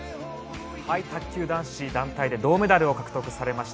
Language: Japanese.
卓球男子団体で銅メダルを獲得されました